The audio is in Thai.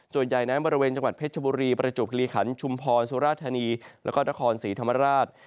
ส่วนใหญ่นั้นบริเวณจังหวัดเพชรบุรีประจวบคิริขันชุมพรสุราธานีแล้วก็นครศรีธรรมราช